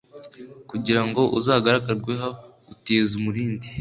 kugira ngo uzagaragarwaho gutiza umurindi